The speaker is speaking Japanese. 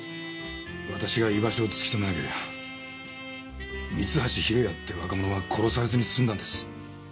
私が居場所を突き止めなけりゃ三橋弘也って若者は殺されずにすんだんです。